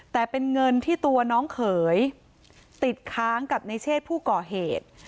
แต่เป็นเงินที่ตัวน้องเขยติดค้างกับในเชศผู้ก่อเหตุ